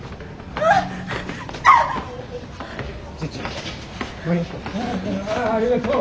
ああありがとう。